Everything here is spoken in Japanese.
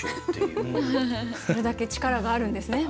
それだけ力があるんですね